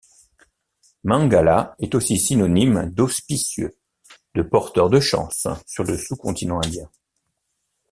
Mangala est aussi synonyme d'auspicieux, de porteur de chance sur le sous-continent indien.